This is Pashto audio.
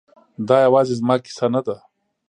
دا یوازې زما کیسه نه ده